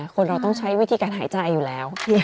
คนเราต้องใช้วิธีการหายใจอยู่แล้ว